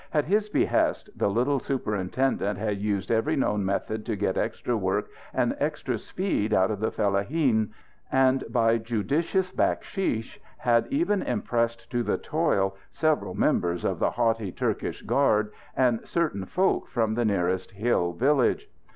At his behest, the little superintendent had used every known method to get extra work and extra speed out of the fellaheen; and, by judicious baksheesh, had even impressed to the toil several members of the haughty, Turkish guard and certain folk from the nearest hill village.